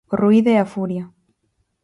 O ruído e a furia.